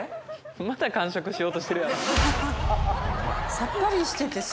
また完食しようとしてるやろ。